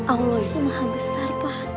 allah itu maha besar